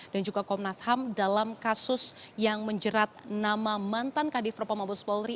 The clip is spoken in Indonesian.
dan juga komnas ham dalam kasus yang menjerat nama mantan kadifropo mabu spolri